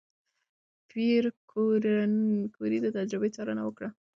پېیر کوري د تجربې څارنه وکړه.